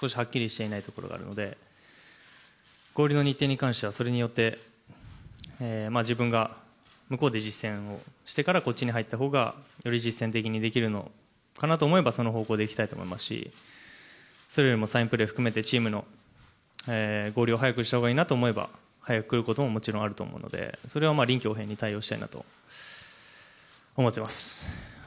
強化試合、どのタイミングでメジャーの選手が出れるのかどうかっていうのは少しはっきりしていないところがあるので、合流の日程に関しては、それによって自分が向こうで実戦をしてからこっちの入ったほうが、より実戦的にできるのかなと思えばその方向でいきたいと思いますし、それよりもサインプレー含めて、チームの合流を早くしたほうがいいなと思えば、早く来ることももちろんあると思うので、それは臨機応変に対応したいなと思ってます。